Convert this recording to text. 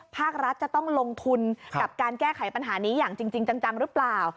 ภาครัฐจะต้องลงทุนกับการแก้ไขปัญหานี้อย่างจริงจังหรือเปล่า